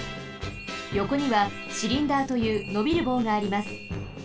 よこにはシリンダーというのびるぼうがあります。